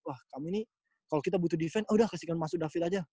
wah kamu ini kalo kita butuh defense oh udah kasihkan masuk david aja